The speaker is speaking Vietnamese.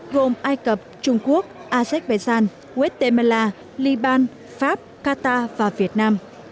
gồm ai cập trung quốc azerbaijan guatemala liban pháp qatar và việt nam